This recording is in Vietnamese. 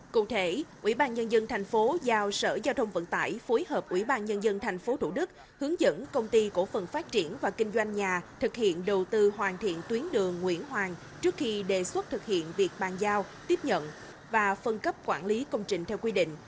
cụ thể ủy ban nhân dân thành phố giao sở giao thông vận tải phối hợp ủy ban nhân dân tp thủ đức hướng dẫn công ty cổ phần phát triển và kinh doanh nhà thực hiện đầu tư hoàn thiện tuyến đường nguyễn hoàng trước khi đề xuất thực hiện việc bàn giao tiếp nhận và phân cấp quản lý công trình theo quy định